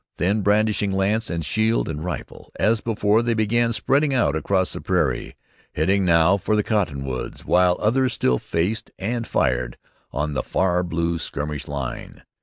Then, brandishing lance and shield and rifle, as before, they began spreading out across the prairie, heading now for the cottonwoods, while others still faced and fired on the far blue skirmish line.